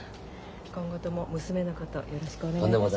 今後とも娘のことよろしくお願いします。